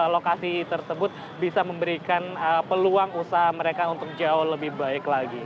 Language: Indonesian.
lokasi tersebut bisa memberikan peluang usaha mereka untuk jauh lebih baik lagi